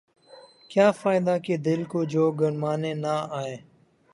کیا فائدہ کہ دل کو جو گرمانے نہ آئیں